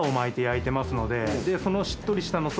そのしっとりしたのと。